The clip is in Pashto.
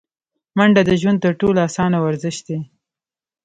منډه د ژوند تر ټولو اسانه ورزش دی